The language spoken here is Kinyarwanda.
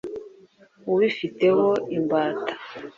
ubifiteho imbata